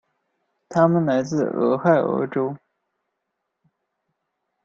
他们来自俄亥俄州。